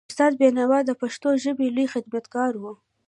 استاد بینوا د پښتو ژبې لوی خدمتګار و.